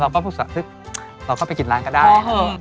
เราก็ฝึกเราก็ไปกินร้านก็ได้